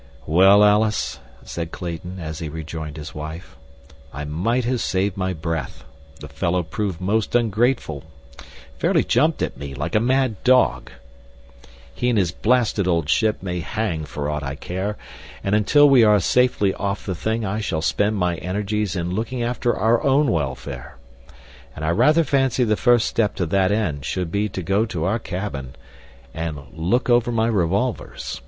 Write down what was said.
"Well, Alice," said Clayton, as he rejoined his wife, "I might have saved my breath. The fellow proved most ungrateful. Fairly jumped at me like a mad dog. "He and his blasted old ship may hang, for aught I care; and until we are safely off the thing I shall spend my energies in looking after our own welfare. And I rather fancy the first step to that end should be to go to our cabin and look over my revolvers.